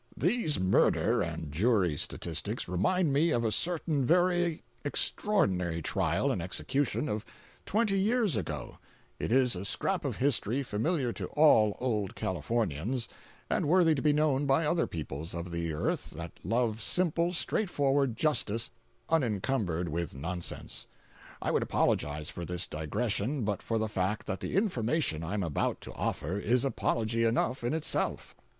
These murder and jury statistics remind me of a certain very extraordinary trial and execution of twenty years ago; it is a scrap of history familiar to all old Californians, and worthy to be known by other peoples of the earth that love simple, straightforward justice unencumbered with nonsense. I would apologize for this digression but for the fact that the information I am about to offer is apology enough in itself.